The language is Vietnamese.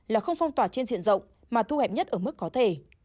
là không phong tỏa trên diện rộng mà thu hẹp nhất ở mức có thể